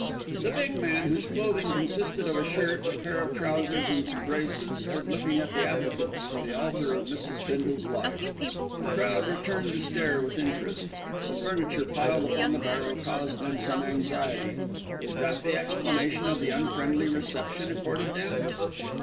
The big man, whose clothing consisted of a shirt, a pair of trousers and some braces, stood looking at the applicants for the altar of Mrs. Bindle's life. The crowd returned the stare with interest. The furniture piled upon the barrow caused them some anxiety. Was that the explanation of the unfriendly reception accorded them?